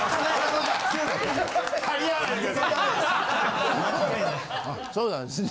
あそうなんですね。